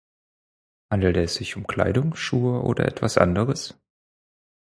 Handelt es sich um Kleidung, Schuhe oder etwas anderes?